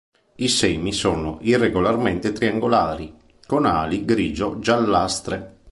I semi sono irregolarmente triangolari, con ali grigio-giallastre.